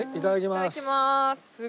いただきます。